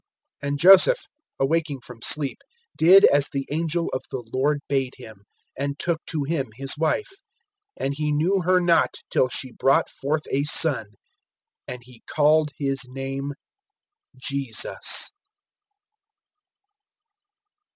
(24)And Joseph, awaking from sleep, did as the angel of the Lord bade him, and took to him his wife; (25)and he knew her not till she brought forth a son[1:25]; and he called his name Jesus.